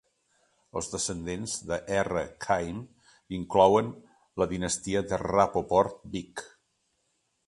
Els descendents de R. Khaim inclouen la dinastia de Rapoport-Bick.